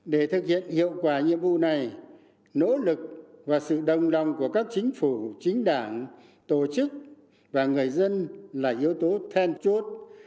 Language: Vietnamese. để thực hiện hiệu quả nhiệm vụ này nỗ lực và sự đồng lòng của các chính phủ chính đảng tổ chức và người dân là yếu tố then chốt